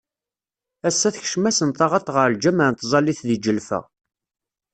Assa tekcem-asen taɣaṭ ɣer lǧameɛ n tẓallit deg Ǧelfa.